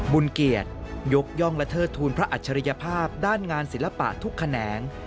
เกียรติยกย่องและเทิดทูลพระอัจฉริยภาพด้านงานศิลปะทุกแขนง